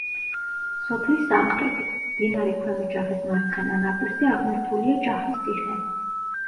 სოფლის სამხრეთით მდინარე ქვემო ჯახის მარცხენა ნაპირზე აღმართულია ჯახის ციხე.